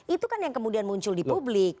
itu kan yang kemudian muncul di publik